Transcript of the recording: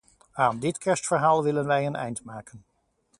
Aan dit kerstverhaal willen wij een eind maken.